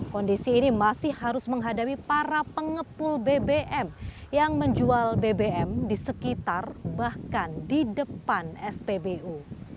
kondisi ini masih harus menghadapi para pengepul bbm yang menjual bbm di sekitar bahkan di depan spbu